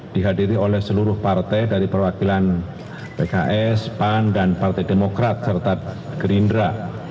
dihadiri oleh seluruh partai dari perwakilan pks pan dan partai demokrat serta gerindra